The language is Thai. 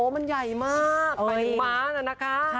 มันใหญ่มากแปลงม้าน่ะนะคะ